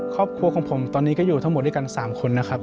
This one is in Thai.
ครอบครัวของผมตอนนี้ก็อยู่ทั้งหมดด้วยกัน๓คนนะครับ